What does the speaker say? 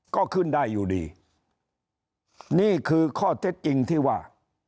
ก็ขึ้นได้อยู่ดีนี่คือข้อเท็จจริงที่ว่า